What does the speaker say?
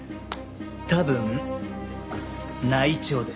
多分内調です。